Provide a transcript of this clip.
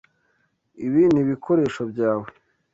Ibi nibikoresho byawe?